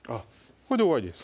これで終わりです